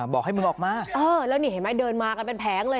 บอกให้มึงออกมาเออแล้วนี่เห็นไหมเดินมากันเป็นแผงเลย